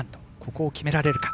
ここを決められるか。